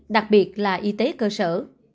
đặc biệt là y tế cơ sở